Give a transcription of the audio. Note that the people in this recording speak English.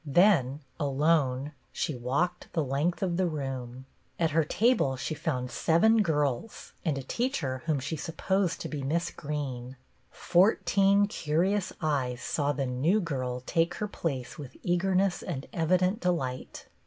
Then, alone, she walked the length of the room. At her table she found seven girls, and a teacher whom she supposed to be Miss Greene. Fourteen curious eyes saw the " new girl " take her place with eagerness and evident delight.